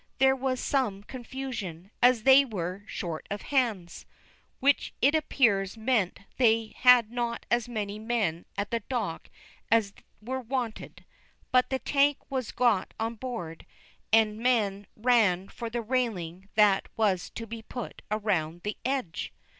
There was some confusion, as they were "short of hands," which it appears meant they had not as many men at the dock as were wanted. But the tank was got on board, and men ran for the railing that was to be put around the edge.